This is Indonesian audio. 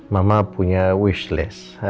mamah punya wish list